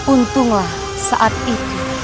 untunglah saat itu